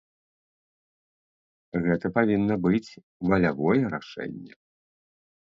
Гэта павінна быць валявое рашэнне.